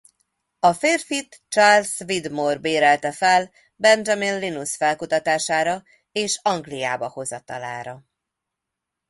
A férfit Charles Widmore bérelte fel Benjamin Linus felkutatására és Angliába hozatalára.